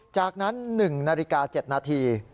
จากนั้น๑นาฬิกา๗นาที